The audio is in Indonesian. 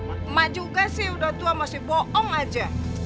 emak juga sih udah tua masih bohong aja